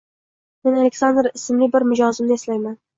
Men Aleksandr ismli bir mijozimni eslayman